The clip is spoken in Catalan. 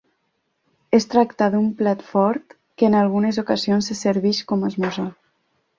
Es tracta d'un plat fort que en algunes ocasions se serveix com a esmorzar.